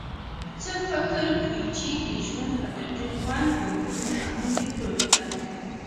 څه فکر کویچې د ژوند حقیقي خوند په کومو شیانو کې پروت ده